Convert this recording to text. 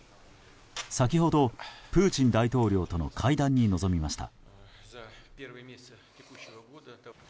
先ほどプーチン大統領との会談に臨みました。